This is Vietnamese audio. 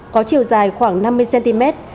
có chiều dài khoảng năm mươi cm